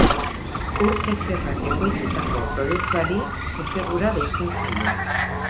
Ur-kefirrak ekoitzitako produktuari kefir-ura deitzen zaio.